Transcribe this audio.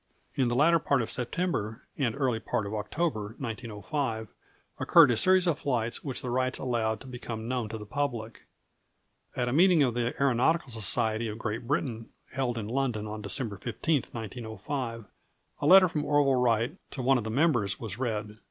In the latter part of September and early part of October, 1905, occurred a series of flights which the Wrights allowed to become known to the public. At a meeting of the Aeronautical Society of Great Britain, held in London on December 15, 1905, a letter from Orville Wright to one of the members was read.